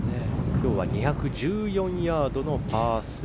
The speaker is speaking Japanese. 今日は２１４ヤードのパー３。